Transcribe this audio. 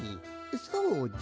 そうじゃ！